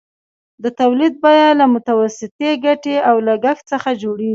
د تولید بیه له متوسطې ګټې او لګښت څخه جوړېږي